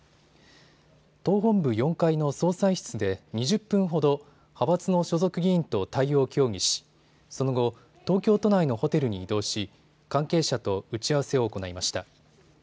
党本部４階の総裁室で２０分ほど派閥の所属議員と対応を協議しその後、東京都内のホテルに移動し関係者と打ち合わせを行いました。